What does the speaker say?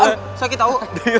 aduh sakit tau